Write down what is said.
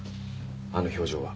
あの表情は。